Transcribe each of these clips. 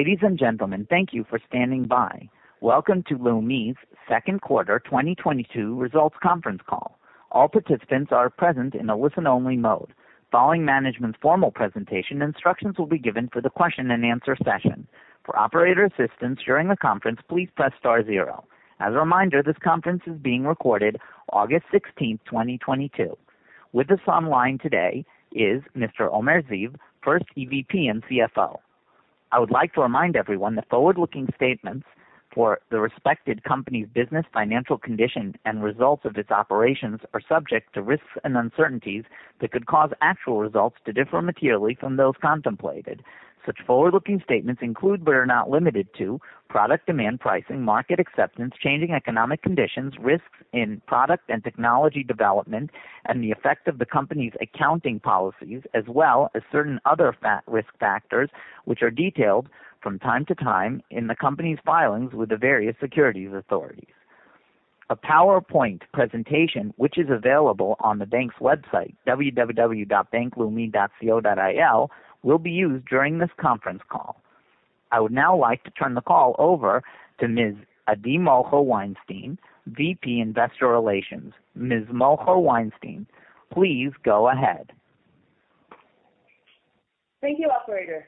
Ladies and gentlemen, thank you for standing by. Welcome to Leumi's Second Quarter 2022 Results conference call. All participants are present in a listen only mode. Following management's formal presentation, instructions will be given for the question and answer session. For operator assistance during the conference, please press star zero. As a reminder, this conference is being recorded August 16, 2022. With us online today is Mr. Omer Ziv, First EVP and CFO. I would like to remind everyone that forward-looking statements for the respective company's business, financial condition, and results of its operations are subject to risks and uncertainties that could cause actual results to differ materially from those contemplated. Such forward-looking statements include, but are not limited to product demand pricing, market acceptance, changing economic conditions, risks in product and technology development, and the effect of the company's accounting policies, as well as certain other risk factors which are detailed from time to time in the company's filings with the various securities authorities. A PowerPoint presentation, which is available on the bank's website, www.leumi.co.il, will be used during this conference call. I would now like to turn the call over to Ms. Adi Molcho Weinstein, VP Investor Relations. Ms. Molcho Weinstein, please go ahead. Thank you, operator.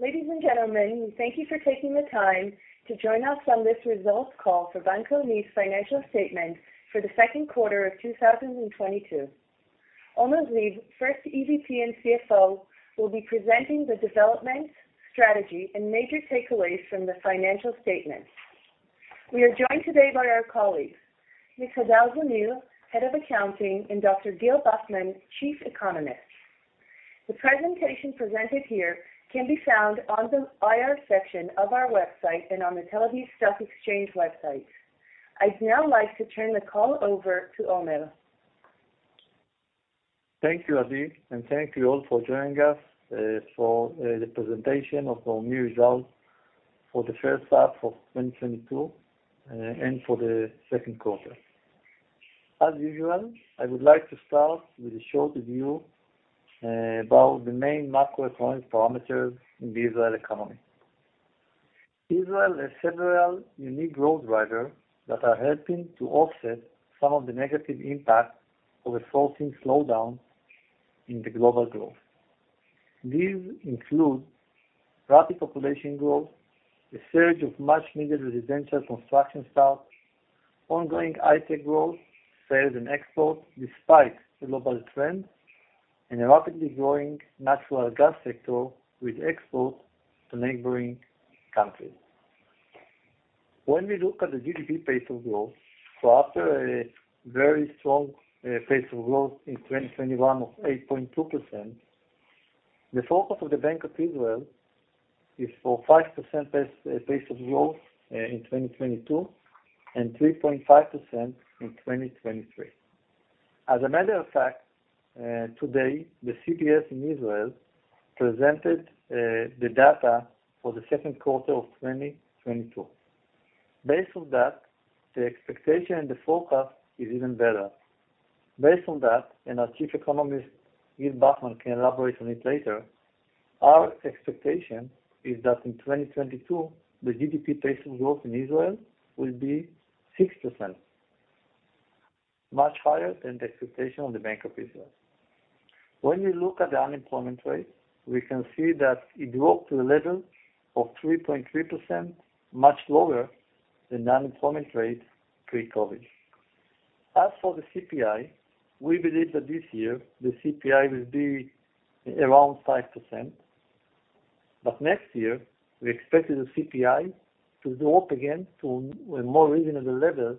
Ladies and gentlemen, thank you for taking the time to join us on this results call for Bank Leumi's financial statement for the second quarter of 2022. Omer Ziv, First EVP and CFO, will be presenting the development, strategy, and major takeaways from the financial statement. We are joined today by our colleagues, Ms. Hagit Argov, Head of Accounting, and Dr. Gil Bufman, Chief Economist. The presentation presented here can be found on the IR section of our website and on the Tel Aviv Stock Exchange website. I'd now like to turn the call over to Omer. Thank you, Adi, and thank you all for joining us for the presentation of our new results for the first half of 2022 and for the second quarter. As usual, I would like to start with a short review about the main macroeconomic parameters in the Israeli economy. Israel has several unique growth drivers that are helping to offset some of the negative impact of a sourcing slowdown in the global growth. These include rapid population growth, a surge of much-needed residential construction starts, ongoing high-tech growth, sales and exports despite the global trends, and a rapidly growing natural gas sector with exports to neighboring countries. When we look at the GDP pace of growth, after a very strong pace of growth in 2021 of 8.2%, the focus of the Bank of Israel is for 5% pace of growth in 2022 and 3.5% in 2023. As a matter of fact, today, the CBS in Israel presented the data for the second quarter of 2022. Based on that, the expectation and the forecast is even better. Based on that, and our Chief Economist, Gil Bufman, can elaborate on it later, our expectation is that in 2022, the GDP pace of growth in Israel will be 6%, much higher than the expectation of the Bank of Israel. When you look at the unemployment rate, we can see that it dropped to a level of 3.3%, much lower than the unemployment rate pre-COVID. As for the CPI, we believe that this year the CPI will be around 5%, but next year we're expecting the CPI to drop again to a more reasonable level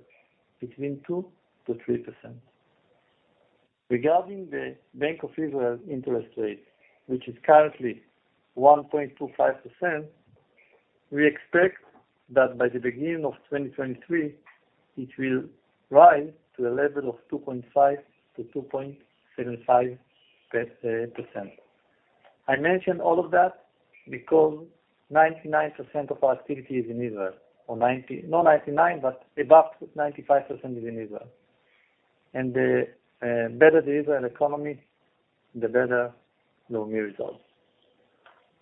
between 2%-3%. Regarding the Bank of Israel interest rate, which is currently 1.25%, we expect that by the beginning of 2023 it will rise to a level of 2.5%-2.75%. I mention all of that because 95% of our activity is in Israel. The better the Israel economy, the better the new results.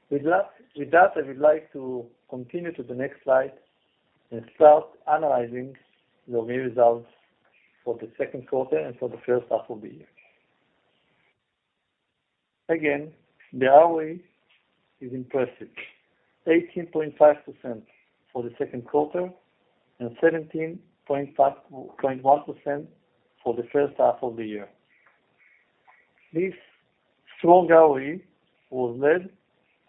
With that, I would like to continue to the next slide and start analyzing the new results for the second quarter and for the first half of the year. Again, the ROE is impressive. 18.5% for the second quarter and 17.51% for the first half of the year. This strong ROE was led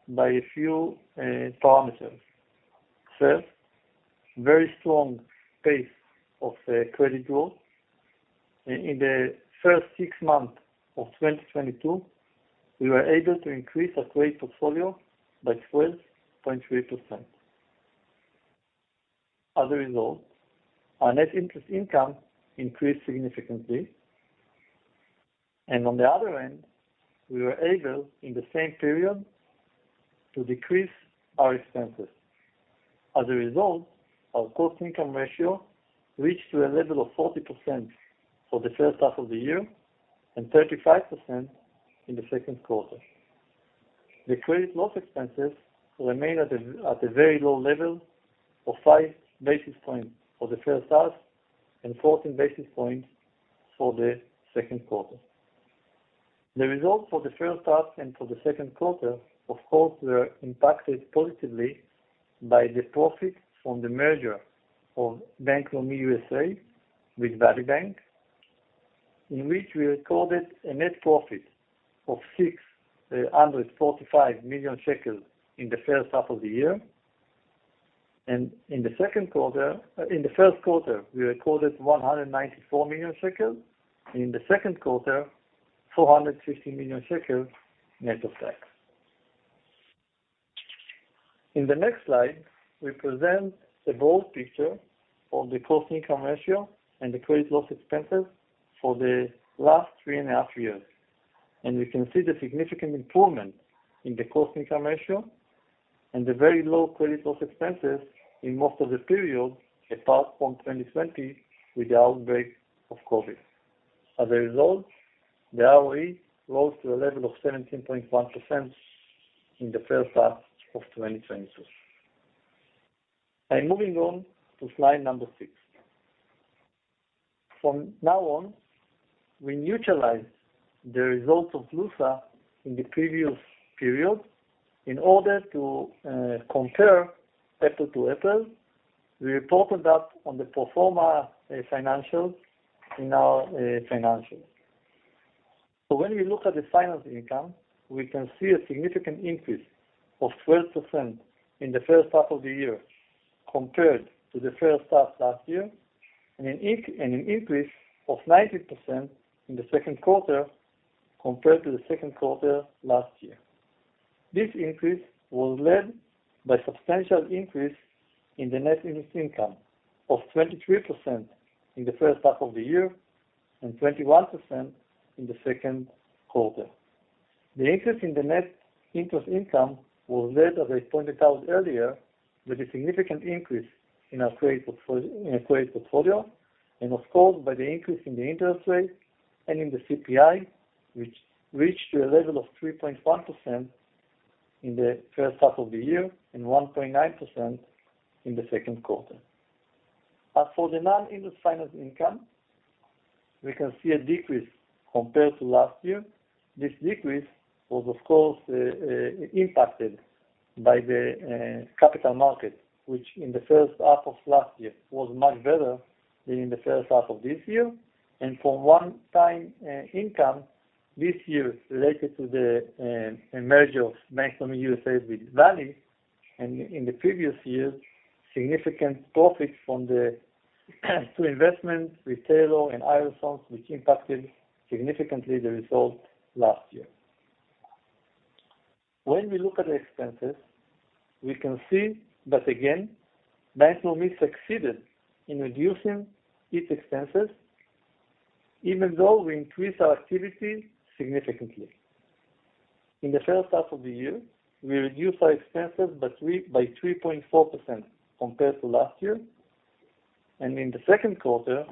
by a few parameters. First, very strong pace of credit growth. In the first six months of 2022, we were able to increase our credit portfolio by 12.3%. As a result, our net interest income increased significantly, and on the other hand, we were able in the same period to decrease our expenses. As a result, our cost-income ratio reached to a level of 40% for the first half of the year and 35% in the second quarter. The credit loss expenses remain at a very low level of five basis points for the first half and 14 basis points for the second quarter. The results for the first half and for the second quarter, of course, were impacted positively by the profit from the merger of Bank Leumi USA with Valley National Bank, in which we recorded a net profit of 645 million shekels in the first half of the year. In the first quarter, we recorded 194 million shekels, and in the second quarter, 450 million shekels net of tax. In the next slide, we present the broad picture of the cost-income ratio and the credit loss expenses for the last three and a half years. We can see the significant improvement in the cost-income ratio and the very low credit loss expenses in most of the periods, apart from 2020 with the outbreak of COVID. As a result, the ROE rose to a level of 17.1% in the first half of 2022. I'm moving on to slide number six. From now on, we neutralize the results of Bank Leumi USA in the previous period in order to compare apples to apples. We reported that on the pro forma financials in our financials. When we look at the finance income, we can see a significant increase of 12% in the first half of the year compared to the first half last year, and an increase of 19% in the second quarter compared to the second quarter last year. This increase was led by substantial increase in the net interest income of 23% in the first half of the year and 21% in the second quarter. The increase in the net interest income was led, as I pointed out earlier, with a significant increase in our credit portfolio, and of course, by the increase in the interest rate and in the CPI, which reached to a level of 3.1% in the first half of the year and 1.9% in the second quarter. As for the non-interest finance income, we can see a decrease compared to last year. This decrease was of course, impacted by the capital market, which in the first half of last year was much better than in the first half of this year. For one time income this year related to the merger of Bank Leumi USA with Valley, and in the previous years, significant profits from the two investments, Riskified and ironSource, which impacted significantly the result last year. When we look at the expenses, we can see that again, Bank Leumi succeeded in reducing its expenses even though we increased our activity significantly. In the first half of the year, we reduced our expenses by 3.4% compared to last year, and in the second quarter,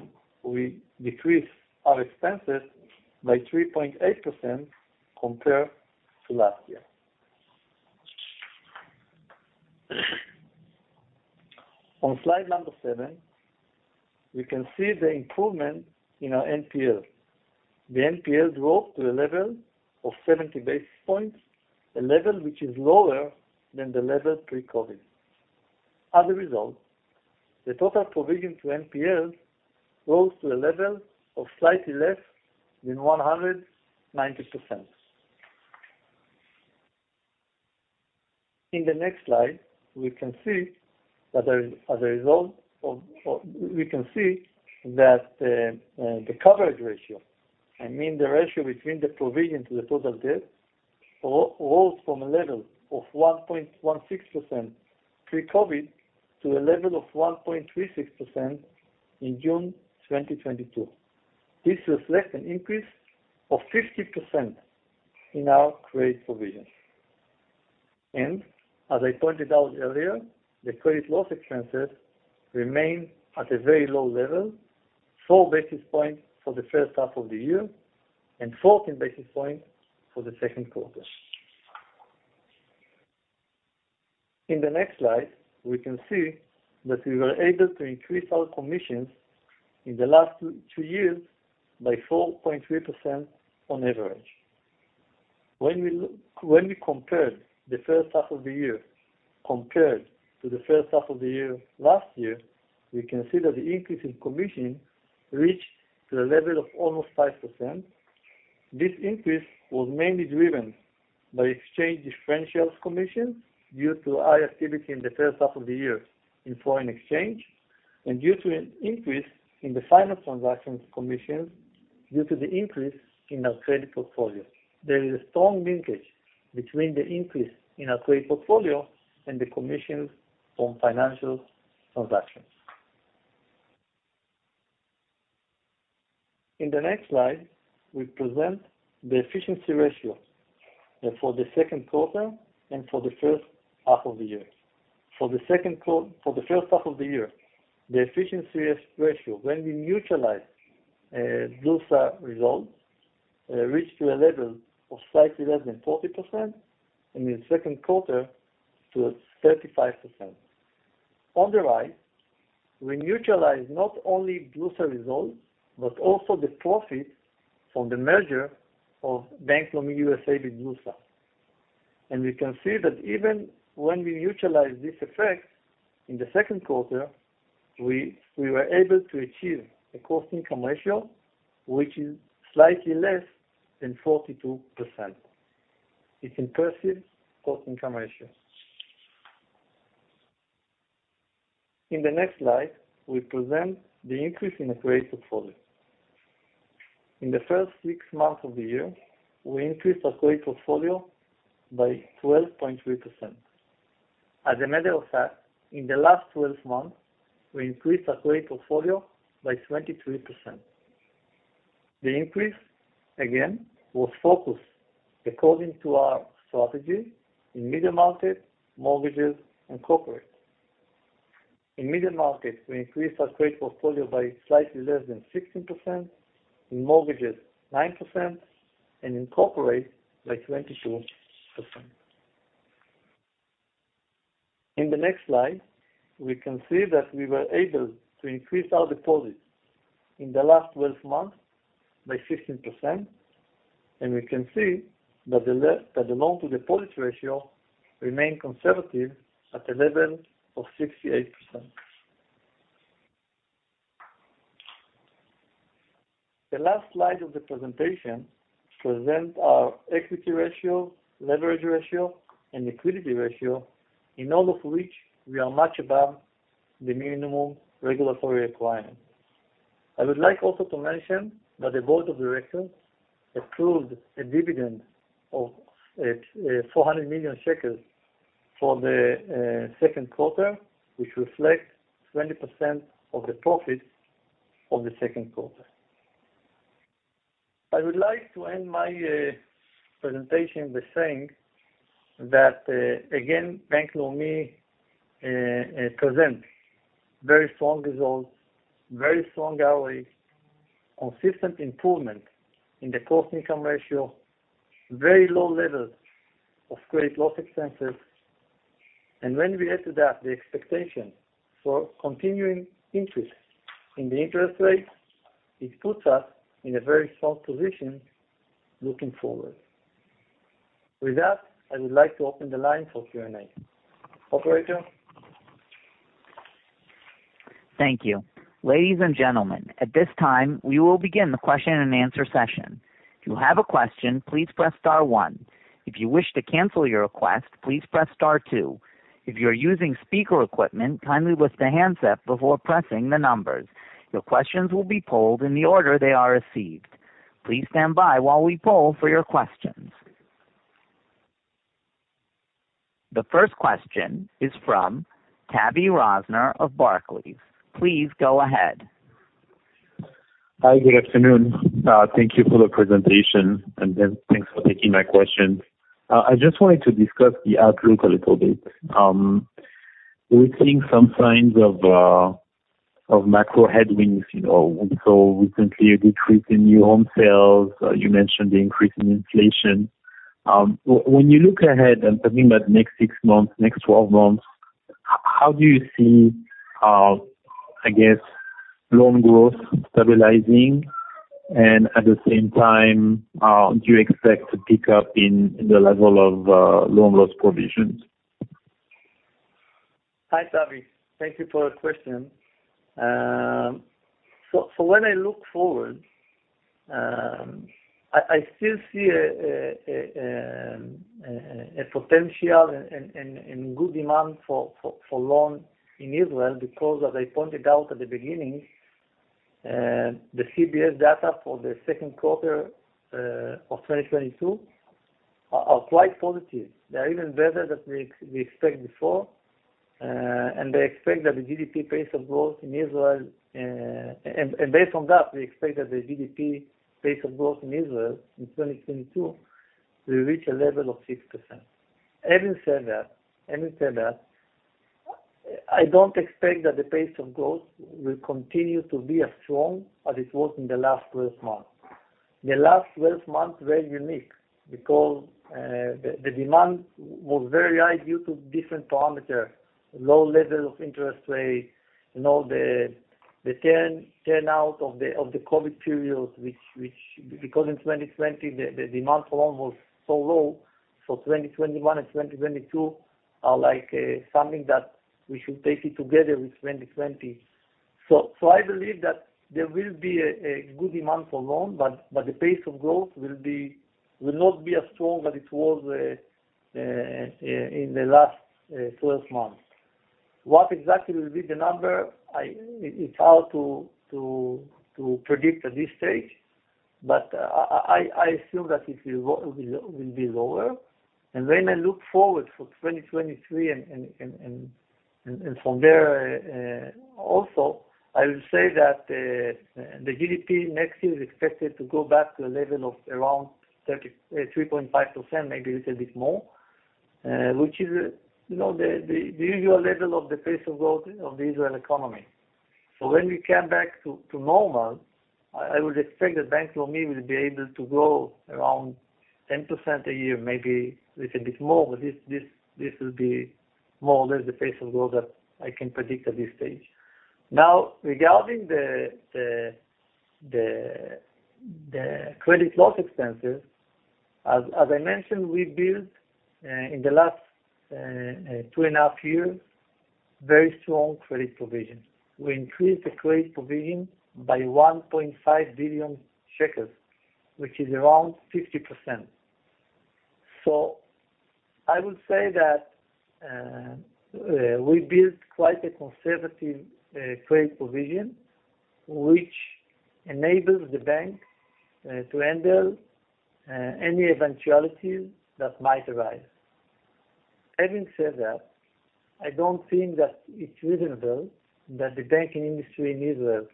we decreased our expenses by 3.8% compared to last year. On slide number seven, we can see the improvement in our NPL. The NPL dropped to a level of 70 basis points, a level which is lower than the level pre-COVID. As a result, the total provision to NPL rose to a level of slightly less than 190%. In the next slide, we can see that the coverage ratio, I mean the ratio between the provision to the total debt, rose from a level of 1.16% pre-COVID to a level of 1.36% in June 2022. This reflects an increase of 50% in our credit provision. As I pointed out earlier, the credit loss expenses remain at a very low level, four basis points for the first half of the year and 14 basis points for the second quarter. In the next slide, we can see that we were able to increase our commissions in the last two years by 4.3% on average. When we compared the first half of the year compared to the first half of the year last year, we can see that the increase in commission reached to a level of almost 5%. This increase was mainly driven by exchange differentials commission, due to high activity in the first half of the year in foreign exchange, and due to an increase in the finance transactions commission, due to the increase in our credit portfolio. There is a strong linkage between the increase in our credit portfolio and the commissions from financial transactions. In the next slide, we present the efficiency ratio for the second quarter and for the first half of the year. For the first half of the year, the efficiency ratio, when we neutralize Glusker results, reached a level of slightly less than 40%, in the second quarter to 35%. On the right, we neutralize not only Glusker results, but also the profit from the merger of Bank Leumi USA with Glusker. We can see that even when we neutralize this effect in the second quarter, we were able to achieve a cost-income ratio, which is slightly less than 42%. It's impressive cost-income ratio. In the next slide, we present the increase in the credit portfolio. In the first six months of the year, we increased our credit portfolio by 12.3%. As a matter of fact, in the last twelve months, we increased our credit portfolio by 23%. The increase, again, was focused according to our strategy in middle market, mortgages, and corporate. In middle market, we increased our credit portfolio by slightly less than 16%, in mortgages, 9%, and in corporate, by 22%. In the next slide, we can see that we were able to increase our deposits in the last 12 months by 16%, and we can see that the loan to deposit ratio remained conservative at level of 68%. The last slide of the presentation present our equity ratio, leverage ratio, and liquidity ratio, in all of which we are much above the minimum regulatory requirement. I would like also to mention that the board of directors approved a dividend of 400 million shekels for the second quarter, which reflect 20% of the profit of the second quarter. I would like to end my presentation by saying that, again, Bank Leumi presents very strong results, very strong ROE, consistent improvement in the cost-income ratio, very low levels of credit loss expenses. When we add to that the expectation for continued increases in the interest rates, it puts us in a very strong position looking forward. With that, I would like to open the line for Q&A. Operator? Thank you. Ladies and gentlemen, at this time, we will begin the question and answer session. If you have a question, please press star one. If you wish to cancel your request, please press star two. If you're using speaker equipment, kindly lift a handset before pressing the numbers. Your questions will be polled in the order they are received. Please stand by while we poll for your questions. The first question is from Tavy Rosner of Barclays. Please go ahead. Hi. Good afternoon. Thank you for the presentation, and thanks for taking my question. I just wanted to discuss the outlook a little bit. We're seeing some signs of macro headwinds, you know. Recently, a decrease in new home sales, you mentioned the increase in inflation. When you look ahead, I'm talking about next six months, next 12 months, how do you see loan growth stabilizing, and at the same time, do you expect to pick up in the level of loan loss provisions? Hi, Tavy. Thank you for the question. When I look forward, I still see a potential and good demand for loan in Israel because as I pointed out at the beginning, the CBS data for the second quarter of 2022 are quite positive. They are even better than we expect before, and they expect that the GDP pace of growth in Israel. Based on that, we expect that the GDP pace of growth in Israel in 2022 will reach a level of 6%. Having said that, I don't expect that the pace of growth will continue to be as strong as it was in the last twelve months. The last 12 months were unique because the demand was very high due to different parameters, low levels of interest rates, you know, the turn out of the COVID period. Because in 2020 the demand for loan was so low, so 2021 and 2022 are like something that we should take it together with 2020. I believe that there will be a good demand for loan, but the pace of growth will not be as strong as it was in the last 12 months. What exactly will be the number? It's hard to predict at this stage. I assume that it will be lower. When I look forward for 2023 and from there, also, I will say that, the GDP next year is expected to go back to a level of around 3.5%, maybe a little bit more, which is, you know, the usual level of the pace of growth of the Israeli economy. When we come back to normal, I would expect that Bank Leumi will be able to grow around 10% a year, maybe a little bit more. This will be more or less the pace of growth that I can predict at this stage. Now, regarding the credit loss expenses, as I mentioned, we built in the last 2.5 years, very strong credit provision. We increased the credit provision by 1.5 billion shekels, which is around 50%. I would say that we built quite a conservative credit provision, which enables the bank to handle any eventualities that might arise. Having said that, I don't think that it's reasonable that the banking industry in Israel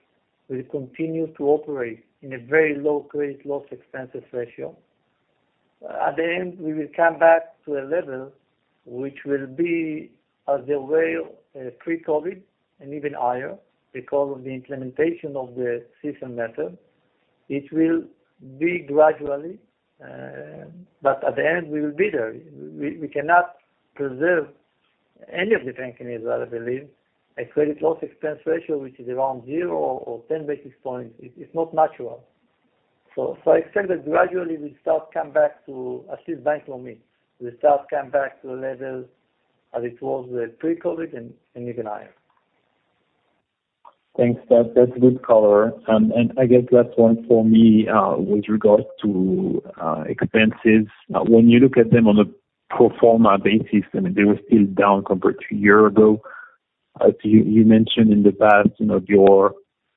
will continue to operate in a very low credit loss expenses ratio. At the end, we will come back to a level which will be as the way pre-COVID and even higher because of the implementation of the CECL method. It will be gradually, but at the end we will be there. We cannot preserve any of the bank in Israel, I believe, a credit loss expense ratio, which is around zero or 10 basis points is not natural. I expect that gradually we start come back to the level as it was pre-COVID and even higher. Thanks, that's good color. I guess last one for me with regards to expenses. When you look at them on a pro forma basis, they were still down compared to a year ago. As you mentioned in the past, your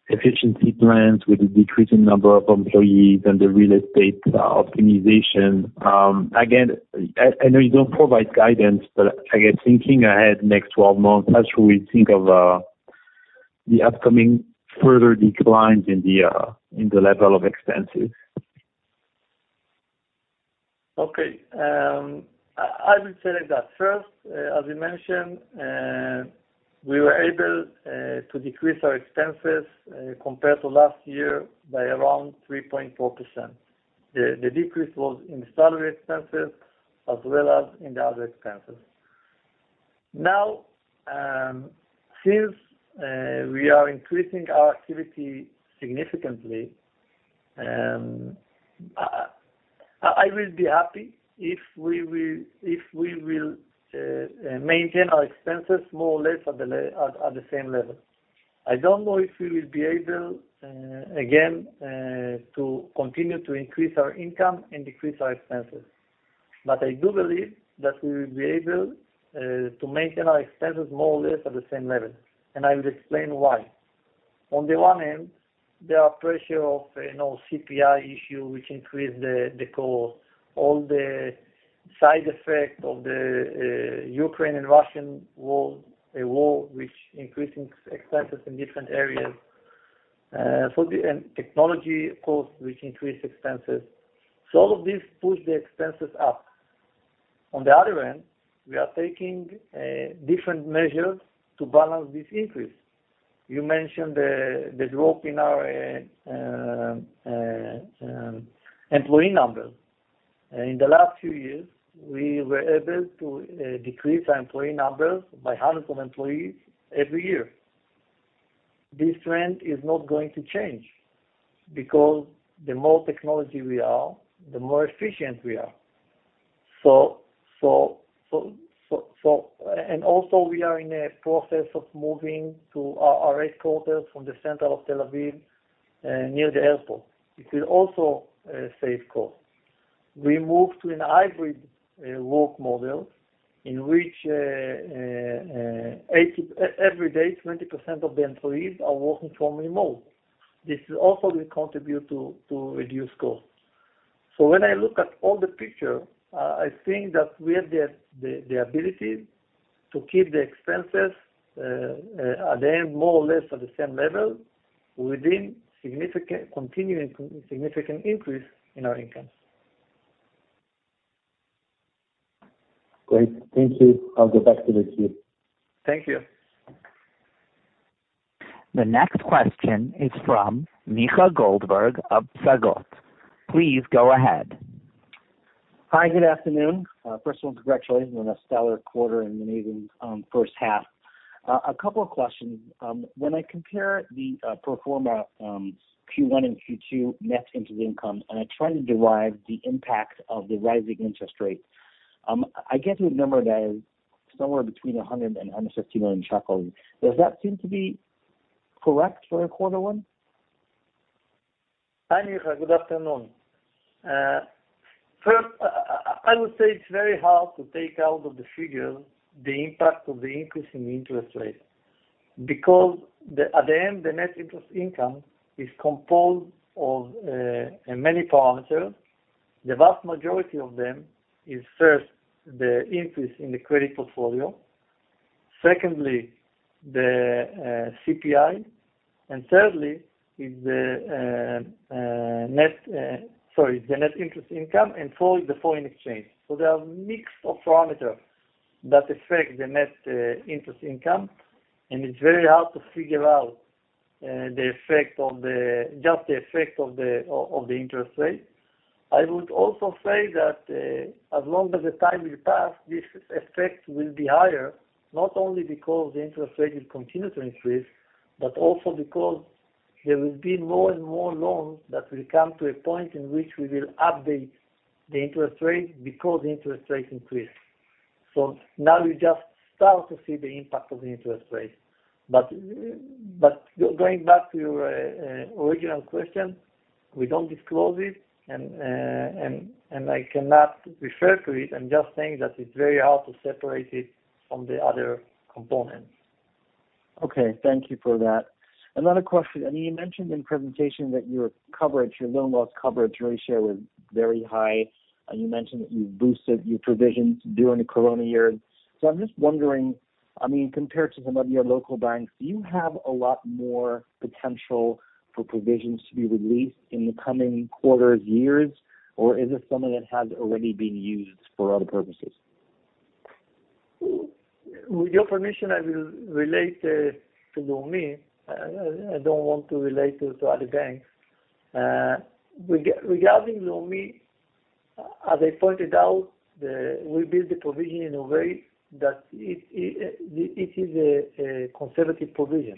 efficiency plans with the decreasing number of employees and the real estate optimization. Again, I know you don't provide guidance, but I guess thinking ahead next 12 months, how should we think of the upcoming further declines in the level of expenses? Okay. I will say like that. First, as you mentioned, we were able to decrease our expenses compared to last year by around 3.4%. The decrease was in salary expenses as well as in the other expenses. Now, since we are increasing our activity significantly, I will be happy if we will maintain our expenses more or less at the same level. I don't know if we will be able again to continue to increase our income and decrease our expenses. I do believe that we will be able to maintain our expenses more or less at the same level, and I will explain why. On the one end, there are pressure of, you know, CPI issue which increase the cost, all the side effect of the Ukraine and Russian war, a war which increasing expenses in different areas. Technology costs, which increase expenses. All of these push the expenses up. On the other end, we are taking different measures to balance this increase. You mentioned the drop in our employee numbers. In the last few years, we were able to decrease our employee numbers by hundreds of employees every year. This trend is not going to change because the more technology we are, the more efficient we are. So also we are in a process of moving to our headquarters from the center of Tel Aviv near the airport, which will also save costs. We move to a hybrid work model in which every day, 20% of the employees are working remotely. This will also contribute to reduce costs. When I look at the overall picture, I think that we have the ability to keep the expenses in the end more or less at the same level with a significant continuing increase in our income. Great. Thank you. I'll get back to the queue. Thank you. The next question is from Michael Klahr of Sagot. Please go ahead. Hi, good afternoon. First of all, congratulations on a stellar quarter and an amazing first half. A couple of questions. When I compare the pro forma Q1 and Q2 net interest income, and I try to derive the impact of the rising interest rate, I get to a number that is somewhere between 100 million and 150 million shekels. Does that seem to be correct for quarter one? Hi, Michael Klahr. Good afternoon. First, I would say it's very hard to take out of the picture the impact of the increase in interest rates because, in the end, the net interest income is composed of many parameters. The vast majority of them is, first, the interest in the credit portfolio, secondly, the CPI, and thirdly, is the net. Sorry, the net interest income, and four, the foreign exchange. There are a mix of parameters that affect the net interest income, and it's very hard to figure out just the effect of the interest rate. I would also say that, as long as the time will pass, this effect will be higher, not only because the interest rate will continue to increase, but also because there will be more and more loans that will come to a point in which we will update the interest rate because the interest rates increase. Now we just start to see the impact of the interest rates. Going back to your original question, we don't disclose it and I cannot refer to it. I'm just saying that it's very hard to separate it from the other components. Okay, thank you for that. Another question, I mean, you mentioned in presentation that your coverage, your loan loss coverage ratio was very high, and you mentioned that you boosted your provisions during the corona year. I'm just wondering, I mean, compared to some of your local banks, do you have a lot more potential for provisions to be released in the coming quarters, years, or is it something that has already been used for other purposes? With your permission, I will relate to Leumi. I don't want to relate to other banks. Regarding Leumi, as I pointed out, we build the provision in a way that it is a conservative provision.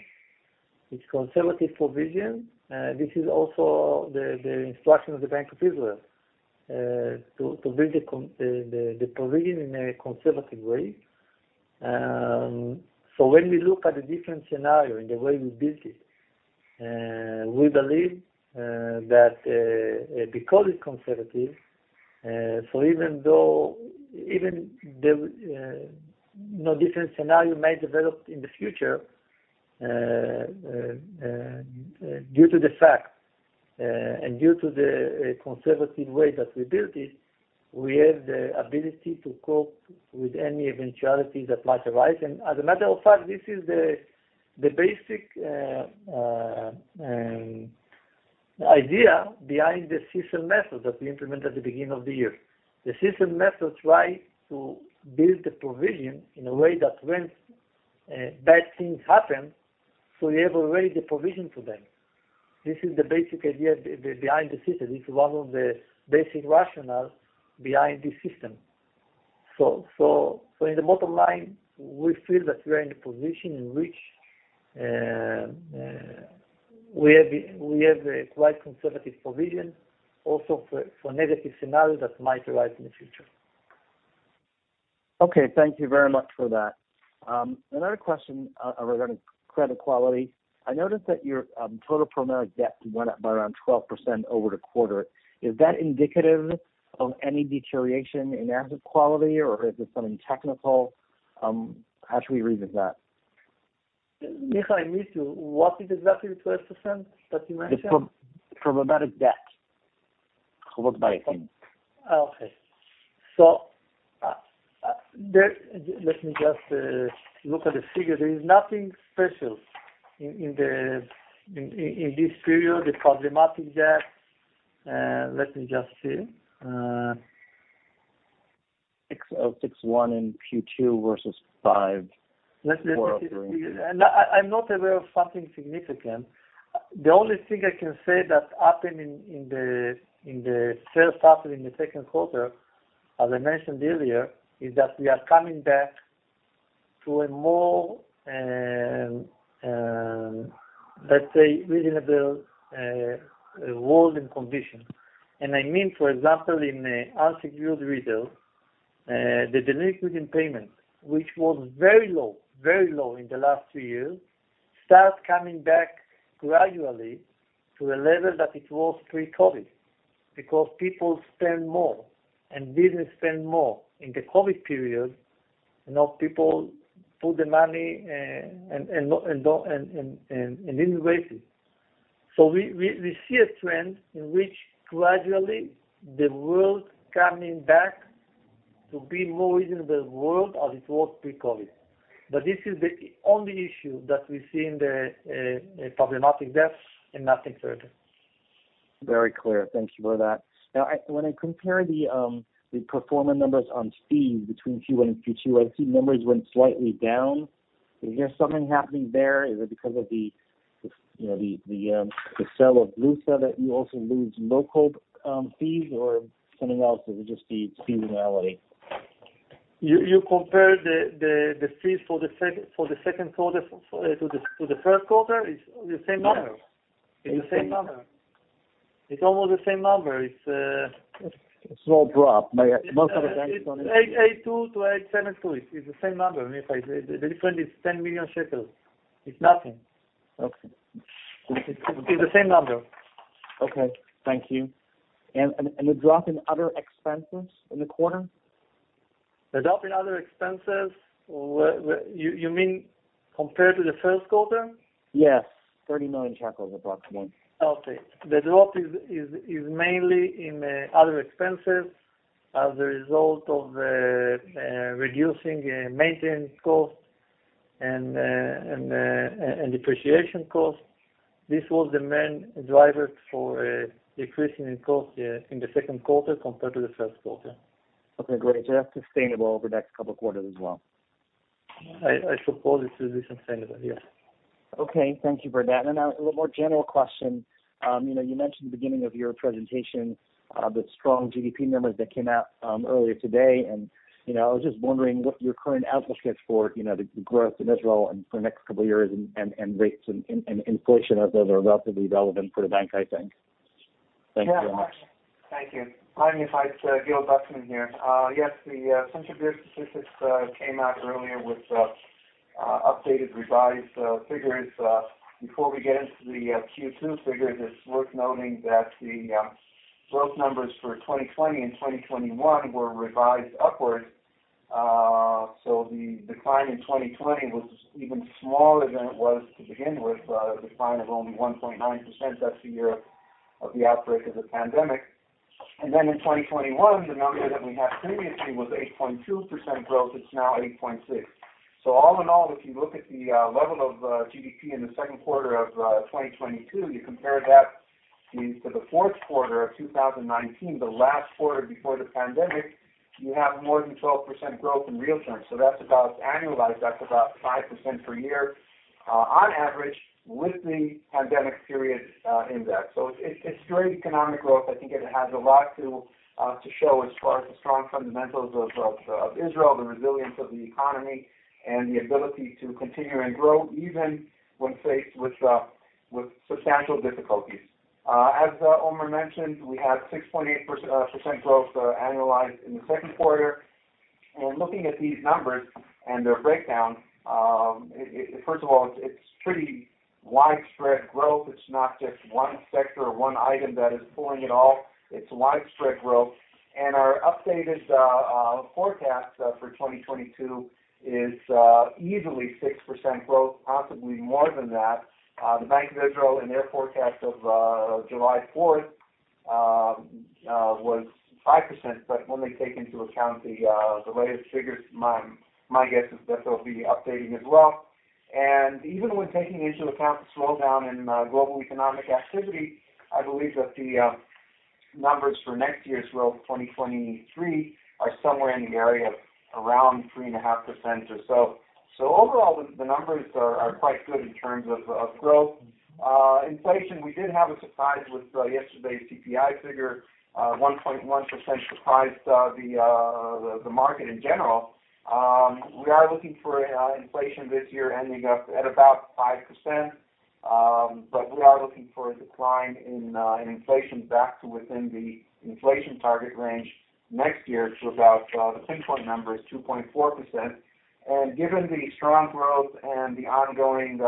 It's a conservative provision, this is also the instruction of the Bank of Israel to build the provision in a conservative way. When we look at the different scenario and the way we build it, we believe that because it's conservative, so even though a different scenario may develop in the future, due to the fact and due to the conservative way that we built it, we have the ability to cope with any eventuality that might arise. As a matter of fact, this is the basic idea behind the CECL method that we implemented at the beginning of the year. The CECL method tries to build the provision in a way that when bad things happen, so we have already the provision for them. This is the basic idea behind the system. This is one of the basic rationales behind this system. In the bottom line, we feel that we are in a position in which we have a quite conservative provision also for negative scenarios that might arise in the future. Okay, thank you very much for that. Another question regarding credit quality. I noticed that your total problematic debt went up by around 12% over the quarter. Is that indicative of any deterioration in asset quality, or is it something technical? How should we read that? Michael, I missed you. What is exactly the 12% that you mentioned? The problematic debt. Okay. Let me just look at the figure. There is nothing special in this period, the problematic debt. Let me just see. 6,061 in Q2 versus five- Let me see. I'm not aware of something significant. The only thing I can say that happened in the first half and in the second quarter, as I mentioned earlier, is that we are coming back to a more, let's say reasonable, world and condition. I mean, for example, in our secured retail, the delinquency in payment, which was very low in the last two years, start coming back gradually to a level that it was pre-COVID because people spend more and business spend more. In the COVID period, you know, people put the money and didn't waste it. We see a trend in which gradually the world coming back to be more reasonable world as it was pre-COVID. This is the only issue that we see in the problematic debts and nothing further. Very clear. Thank you for that. Now, when I compare the performance numbers on fees between Q1 and Q2, I see numbers went slightly down. Is there something happening there? Is it because of the, you know, the sale of Bank Leumi USA that you also lose local fees or something else, or is it just the seasonality? You compare the fees for the second quarter to the first quarter? It's the same number. Yes. It's the same number. It's almost the same number. It's A small drop. Most other banks- It's 882 to 872. It's the same number, Michael Klahr. The difference is 10 million shekels. It's nothing. Okay. It's the same number. Okay. Thank you. The drop in other expenses in the quarter? The drop in other expenses, You mean compared to the first quarter? Yes. 30 million, approximately. Okay. The drop is mainly in other expenses as a result of reducing maintenance costs and depreciation costs. This was the main driver for decreasing in costs, yeah, in the second quarter compared to the first quarter. Okay, great. That's sustainable over the next couple quarters as well. I suppose it will be sustainable, yes. Okay. Thank you for that. Now a little more general question. You know, you mentioned at the beginning of your presentation, the strong GDP numbers that came out, earlier today. You know, I was just wondering what your current outlook is for, you know, the growth in Israel and for the next couple of years and, rates and, inflation as those are relatively relevant for the bank, I think. Thank you very much. Yeah. Thank you. Hi, Omer. It's Gil Bufman here. Yes, the Central Bureau of Statistics came out earlier with updated revised figures. Before we get into the Q2 figures, it's worth noting that the growth numbers for 2020 and 2021 were revised upwards. The decline in 2020 was even smaller than it was to begin with, a decline of only 1.9%. That's the year of the outbreak of the pandemic. Then in 2021, the number that we had previously was 8.2% growth. It's now 8.6%. All in all, if you look at the level of GDP in the second quarter of 2022, you compare that to the fourth quarter of 2019, the last quarter before the pandemic, you have more than 12% growth in real terms. That's about annualized, that's about 5% per year on average, with the pandemic period in that. It's great economic growth. I think it has a lot to show as far as the strong fundamentals of Israel, the resilience of the economy, and the ability to continue and grow even when faced with substantial difficulties. As Omer mentioned, we have 6.8% growth annualized in the second quarter. Looking at these numbers and their breakdown. First of all, it's pretty widespread growth. It's not just one sector or one item that is pulling it all. It's widespread growth. Our updated forecast for 2022 is easily 6% growth, possibly more than that. The Bank of Israel in their forecast of July fourth was 5%. When they take into account the latest figures, my guess is that they'll be updating as well. Even when taking into account the slowdown in global economic activity, I believe that the numbers for next year's growth, 2023, are somewhere in the area of around 3.5% or so. Overall, the numbers are quite good in terms of growth. Inflation, we did have a surprise with yesterday's CPI figure, 1.1% surprised the market in general. We are looking for inflation this year ending up at about 5%. We are looking for a decline in inflation back to within the inflation target range next year to about the pinpoint number is 2.4%. Given the strong growth and the ongoing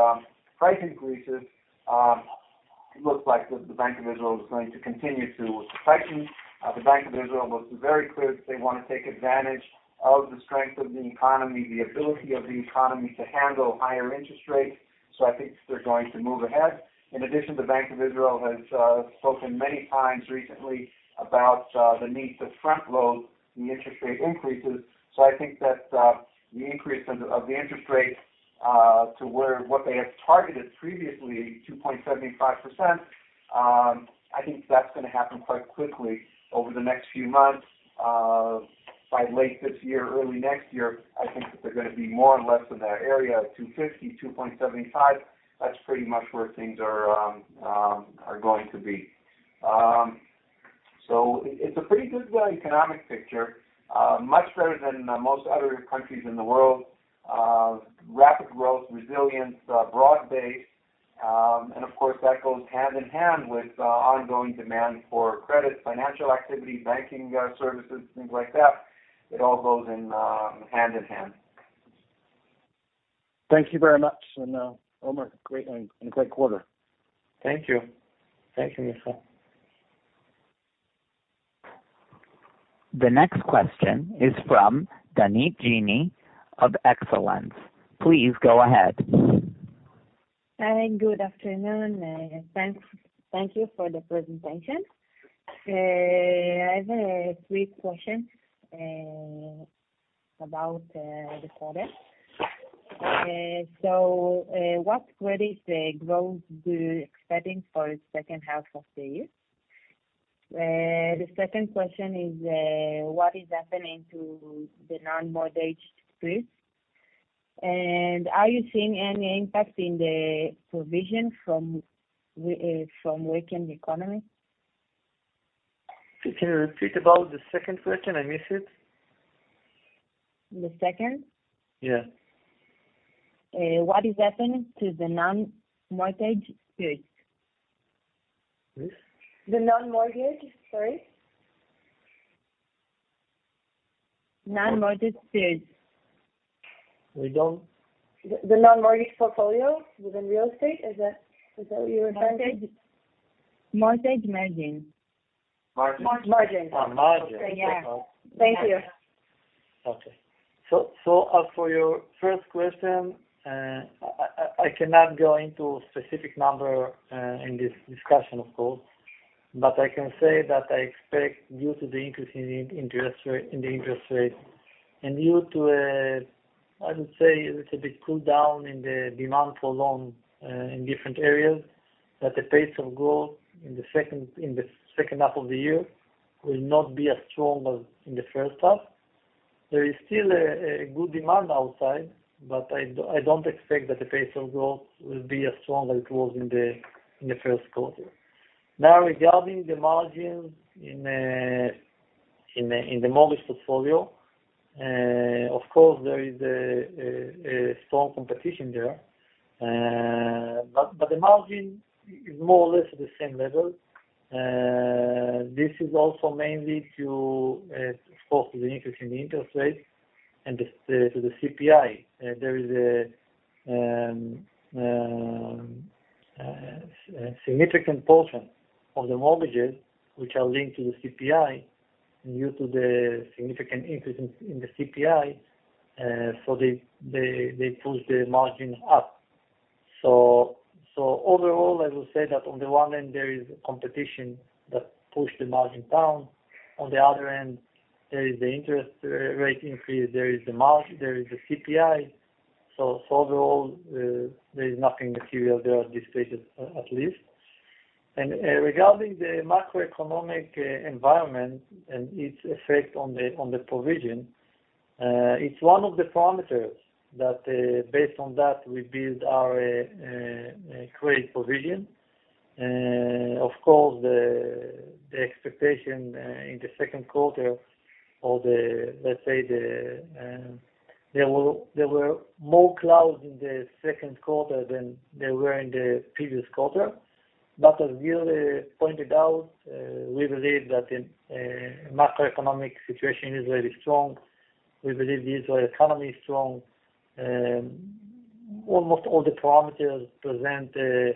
price increases, it looks like the Bank of Israel is going to continue to tighten. The Bank of Israel was very clear that they want to take advantage of the strength of the economy, the ability of the economy to handle higher interest rates, so I think they're going to move ahead. In addition, the Bank of Israel has spoken many times recently about the need to front-load the interest rate increases. I think that the increase of the interest rate to where what they had targeted previously, 2.75%, I think that's gonna happen quite quickly over the next few months. By late this year, early next year, I think that they're gonna be more or less in that area of 2.50%-2.75%. That's pretty much where things are going to be. It's a pretty good economic picture, much better than most other countries in the world. Rapid growth, resilience, broad base. Of course, that goes hand in hand with ongoing demand for credit, financial activity, banking services, things like that. It all goes hand in hand. Thank you very much. Omer, great and a great quarter. Thank you. Thank you, Micheal. The next question is from Danit Gini of Excellence. Please go ahead. Hi, good afternoon. Thanks. Thank you for the presentation. I have three questions about the quarter. What credit growth do you expecting for second half of the year? The second question is, what is happening to the non-mortgage spreads? Are you seeing any impact in the provision from weakened economy? Can you repeat about the second question? I missed it. The second? Yeah. What is happening to the non-mortgage spreads? Please. The non-mortgage spreads. Non-mortgage fees. We don't. The non-mortgage portfolio within real estate, is that what you were saying? Mortgage margin. Margin. Margin. Margin. Yeah. Thank you. As for your first question, I cannot go into specific number in this discussion, of course. I can say that I expect due to the increase in the interest rate, and due to, I would say, a little bit cool down in the demand for loans in different areas, that the pace of growth in the second half of the year will not be as strong as in the first half. There is still a good demand outside, but I don't expect that the pace of growth will be as strong as it was in the first quarter. Now, regarding the margin in the mortgage portfolio, of course, there is a strong competition there. The margin is more or less at the same level. This is also mainly due to, of course, the increase in the interest rate and to the CPI. There is a significant portion of the mortgages which are linked to the CPI due to the significant increase in the CPI, so they push the margin up. Overall, I will say that on the one end, there is competition that push the margin down. On the other end, there is the interest rate increase, there is the CPI. Overall, there is nothing material there at this stage, at least. Regarding the macroeconomic environment and its effect on the provision, it's one of the parameters that, based on that, we build our credit provision. Of course, the expectation in the second quarter, let's say, there were more clouds in the second quarter than there were in the previous quarter. As Gil pointed out, we believe that the macroeconomic situation in Israel is strong. We believe the Israeli economy is strong. Almost all the parameters present a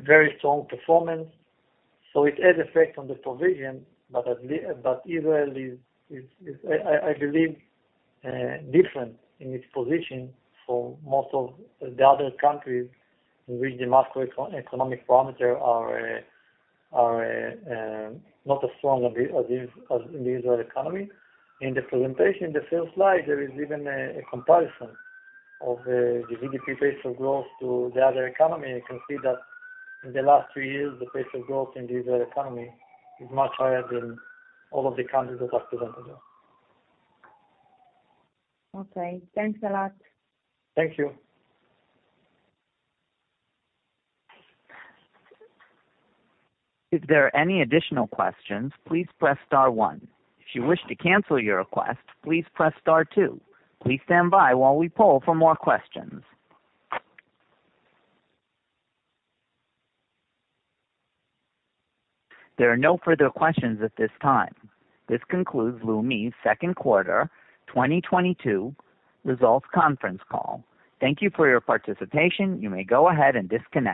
very strong performance. It has effect on the provision, but Israel is. I believe different in its position for most of the other countries in which the macroeconomic parameters are not as strong as in the Israeli economy. In the presentation, in the first slide, there is even a comparison of the GDP pace of growth to the other economy. You can see that in the last three years, the pace of growth in the Israeli economy is much higher than all of the countries that are presented there. Okay, thanks a lot. Thank you. If there are any additional questions, please press star one. If you wish to cancel your request, please press star two. Please stand by while we poll for more questions. There are no further questions at this time. This concludes Leumi's second quarter 2022 results conference call. Thank you for your participation. You may go ahead and disconnect.